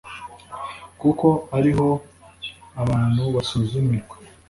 kuko ari ho abantu basuzumirwa